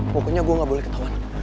pokoknya gue gak boleh ketahuan